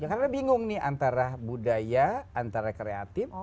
karena bingung nih antara budaya antara kreatif